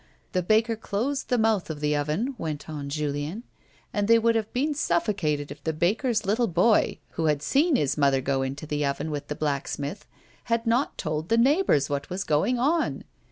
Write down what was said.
The baker closed the mouth of the oven," went on Julien, " and they would have been sufFo 148 A WOMAN'S LIFE. cated if the baker's little boy, who had seen his mother go into the oven with the blacksmith, had not told the neigh bours wheat was going on."